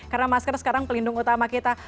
karena masker sekarang pelindung utama kita